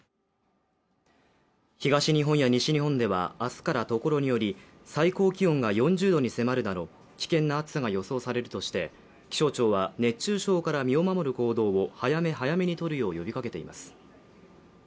東日本や西日本では明日からところにより最高気温が４０度に迫るなど危険な暑さが予想されるとして気象庁は熱中症から身を守る行動を早め早めにとるよう呼びかけています。